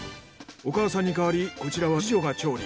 お母さんに代わりこちらは次女が調理。